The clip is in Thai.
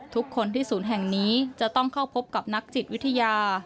ทุกคนที่ศูนย์แห่งนี้จะต้องเข้าพบกับนักจิตวิทยา